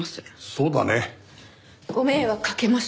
そうだね。ご迷惑かけました。